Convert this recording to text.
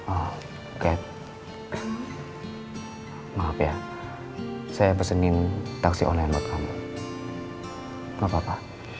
oh oke maaf ya saya pesenin taksi online buat kamu nggak papa papa